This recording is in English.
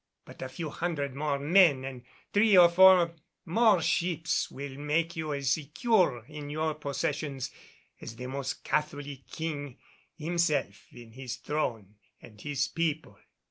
But a few hundred more men and three or four more ships will make you as secure in your possessions as the most Catholic King himself in his throne and his people."